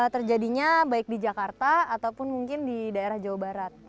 terjadinya baik di jakarta ataupun mungkin di daerah jawa barat